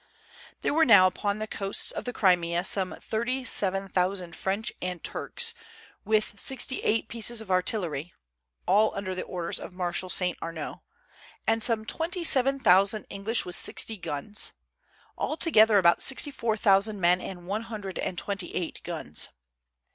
There were now upon the coasts of the Crimea some thirty seven thousand French and Turks with sixty eight pieces of artillery (all under the orders of Marshal Saint Arnaud), and some twenty seven thousand English with sixty guns, altogether about sixty four thousand men and one hundred and twenty eight guns.